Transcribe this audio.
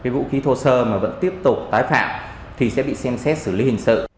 vũ khí thô sơ mà vẫn tiếp tục tái phạm thì sẽ bị xem xét xử lý hình sự